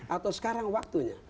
atau sekarang waktunya